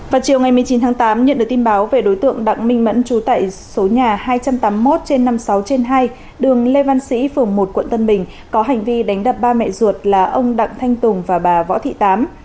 vào chiều ngày một mươi chín tháng tám nhận được tin báo về đối tượng đặng minh mẫn chú tại số nhà hai trăm tám mươi một trên năm mươi sáu trên hai đường lê văn sĩ phường một quận tân bình có hành vi đánh đập ba mẹ ruột là ông đặng thanh tùng và bà võ thị tám